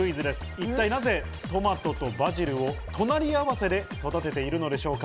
一体、なぜトマトとバジルを隣り合わせで育てているのでしょうか？